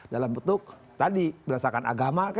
dalam bentuk tadi berdasarkan agama